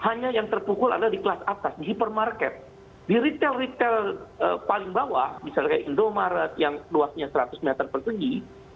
hanya yang terpukul ada di kelas atas di hipermarket di retail retail paling bawah misalkan indomaret yang luasnya seratus meter persegi